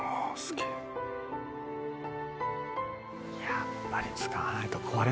「やっぱり使わないと壊れるんだよな